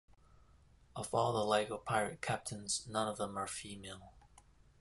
Of all the Lego Pirate Captains, none of them are female.